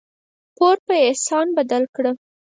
پور په احسان بدل کړه.